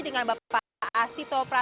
dengan bapak asti topra